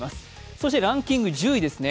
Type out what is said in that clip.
そしてランキング１０位ですね